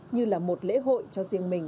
như là một lễ hội cho riêng mình